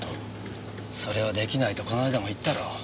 それは出来ないとこの間も言ったろ。